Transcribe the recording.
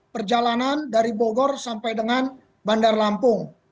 perjalanan dari bogor sampai dengan bandar lampung